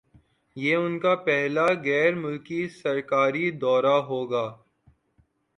یہ ان کا پہلا غیرملکی سرکاری دورہ ہوگا